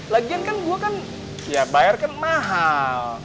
lagian kan gua kan bayar mahal